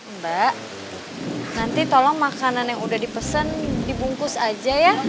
mbak nanti tolong makanan yang udah dipesan dibungkus aja ya